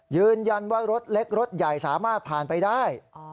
ยืนยันว่ารถเล็กรถใหญ่สามารถผ่านไปได้